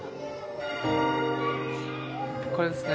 これですね。